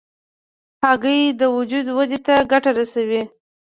هګۍ د وجود ودې ته ګټه رسوي.